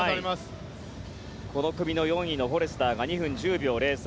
この組の４位のフォレスターが２分１０秒０３。